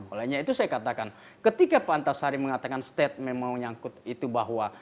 olehnya itu saya katakan ketika pak antasari mengatakan state memang nyangkut itu bahwa